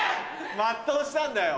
全うしたんだよ。